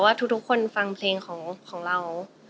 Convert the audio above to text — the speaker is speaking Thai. ทุกคนฟังเพลงของเรา